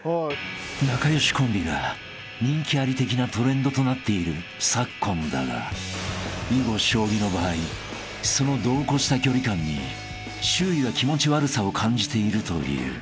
［仲良しコンビが人気あり的なトレンドとなっている昨今だが囲碁将棋の場合その度を越した距離感に周囲は気持ち悪さを感じているという］